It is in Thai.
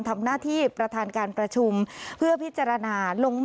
ทำหน้าที่ประธานการประชุมเพื่อพิจารณาลงม